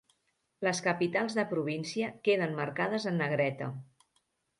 Les capitals de província queden marcades en negreta.